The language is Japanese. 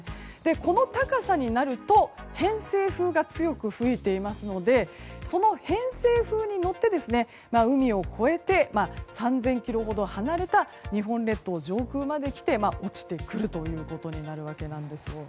この高さになると偏西風が強く吹いていますのでその偏西風に乗って、海を越えて３０００ｋｍほど離れた日本列島上空まで来て落ちてくることになります。